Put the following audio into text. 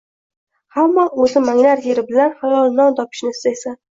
Hamma oʻz manglay teri bilan halol non topishini istaysan